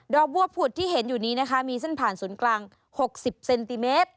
บัวผุดที่เห็นอยู่นี้นะคะมีเส้นผ่านศูนย์กลาง๖๐เซนติเมตร